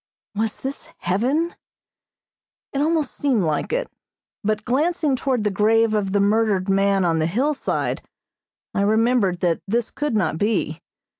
Was this heaven? It almost seemed like it, but glancing toward the grave of the murdered man on the hillside I remembered that this could not be.